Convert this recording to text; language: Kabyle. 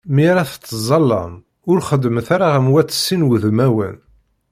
Mi ara tettẓallam, ur xeddmet ara am wat sin wudmawen.